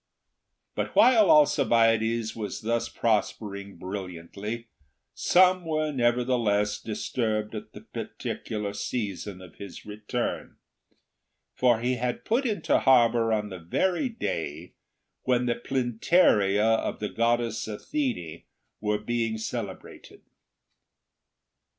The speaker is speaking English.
But while Alcibiades was thus prospering brilliantly, some were nevertheless disturbed at the particular season of his return. For he had put into harbour on the very day when the Plynteria of the goddess Athene were being celebrated.